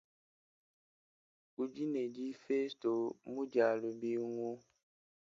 Udi ne difesto mu dialumingu.